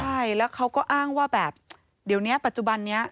ใช่แล้วเขาก็อ้างว่าแบบเดี๋ยวนี้ปัจจุบันนี้